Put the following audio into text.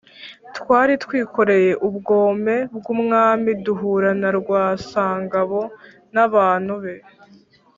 Twari twikoreye ubwome bw' umwami, duhura na Rwasangabo n' abantu be